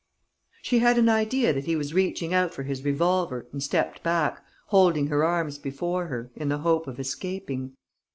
She had an idea that he was reaching out for his revolver and stepped back, holding her arms before her, in the hope of escaping.